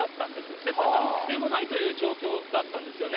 ですから、なんの規制もないという状況だったんですよね。